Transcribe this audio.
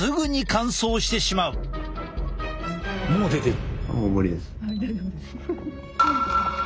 もう出てる。